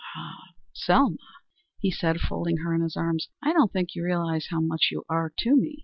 Ah, Selma," he said, folding her in his arms, "I don't think you realize how much you are to me.